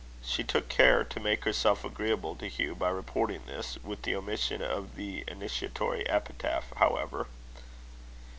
She took care to make herself agreeable to Hugh by reporting this, with the omission of the initiatory epithet, however.